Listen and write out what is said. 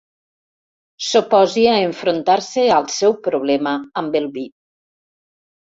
S'oposi a enfrontar-se al seu problema amb el vi.